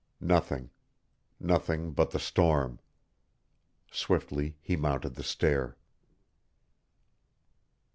Nothing nothing but the storm. Swiftly he mounted the stair.